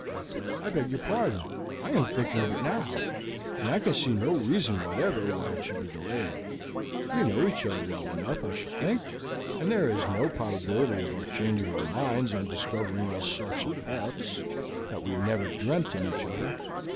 "I beg your pardon, I am thinking of it now, and I can see no reason whatever why it should be delayed. We know each other well enough, I should think, and there is no probability of our changing our minds on discovering all sorts of faults, that we never dreamt, in each other.